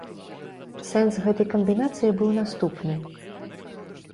Сэнс гэтай камбінацыі быў наступны.